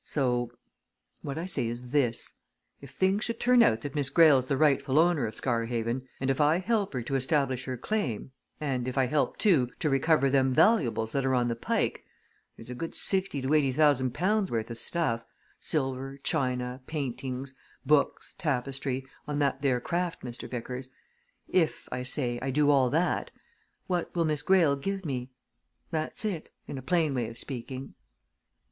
So what I say is this. If things should turn out that Miss Greyle's the rightful owner of Scarhaven, and if I help her to establish her claim, and if I help, too, to recover them valuables that are on the Pike there's a good sixty to eighty thousand pounds worth of stuff, silver, china, paintings, books, tapestry, on that there craft, Mr. Vickers! if, I say, I do all that, what will Miss Greyle give me? That's it in a plain way of speaking."